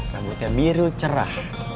rambutnya biru cerah